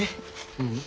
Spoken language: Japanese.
ううん。